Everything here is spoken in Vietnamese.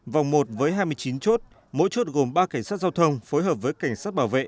vòng một với hai mươi chín chốt mỗi chốt gồm ba cảnh sát giao thông phối hợp với cảnh sát bảo vệ